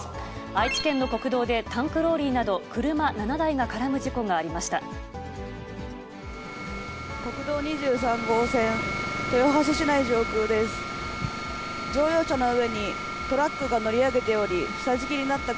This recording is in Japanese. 愛知県の国道で、タンクローリーなど車７台が絡む事故がありました。